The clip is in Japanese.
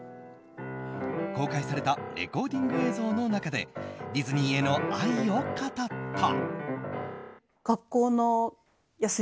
公開されたレコーディング映像の中でディズニーへの愛を語った。